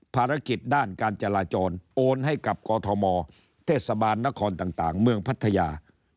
ภารกิจด้านการจราจรโอนให้กับกอทมเทศบาลนครต่างเมืองพัทยา